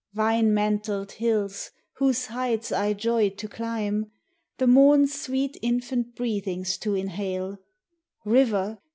Vine mantled Hills, whose heights I joy'd to climb, The Morn's sweet infant breathings to inhale; River!